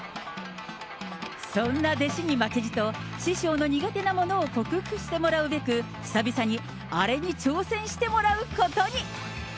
そんな弟子に負けじと、師匠の苦手なものを克服してもらうべく、久々にあれに挑戦してもらうことに。